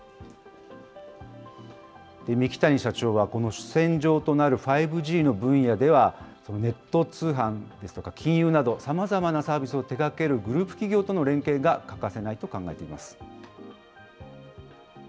三木谷社長はこの主戦場となる５Ｇの分野では、ネット通販ですとか金融など、さまざまなサービスを手がけるグループ企業との連携が欠かせないと考えています。